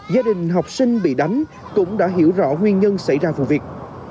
gia đình học sinh bị đánh cũng đã hiểu rõ nguyên nhân xảy ra vụ việc